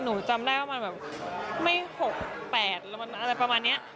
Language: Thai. หนูจำได้ว่ามันแบบไม่๖๘แล้วมันอะไรประมาณนี้